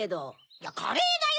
いやカレーだよ！